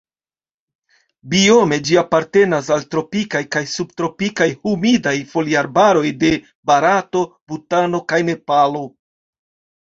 Biome ĝi apartenas al tropikaj kaj subtropikaj humidaj foliarbaroj de Barato, Butano kaj Nepalo.